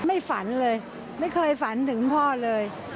ฝันเลยไม่เคยฝันถึงพ่อเลย